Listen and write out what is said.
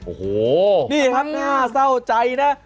โอ้โหนี่ครับน่าเศร้าใจนะ